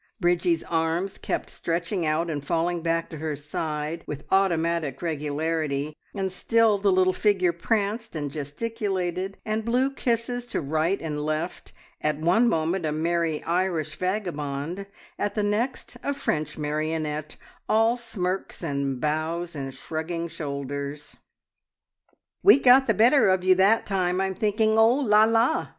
Bridgie's arms kept stretching out and falling back to her side with automatic regularity, and still the little figure pranced, and gesticulated, and blew kisses to right and left, at one moment a merry Irish vagabond, at the next a French marionette all smirks and bows and shrugging shoulders. "We got the better of you that time, I'm thinking! Oh, la la!